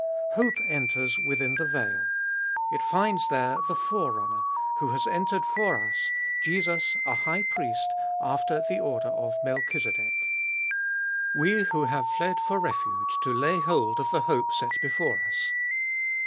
Hope enters within the veil ; it finds there the Forerunner, who has entered for us, Jesus a High Priest, after the order of Melchizedek. 224 abe iboliest of ail We who have fled for refuge to lay hold of the hope set before us.